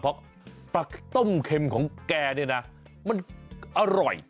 เพราะปลาต้มเค็มของแกเนี่ยนะมันอร่อย